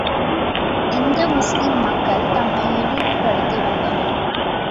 இந்து முஸ்லிம் மக்கள் தம்மை இழிவு படுத்தி வந்தனர்.